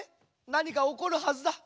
なにかおこるはずだ。